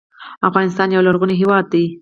افغانستان یو لرغونی هیواد دی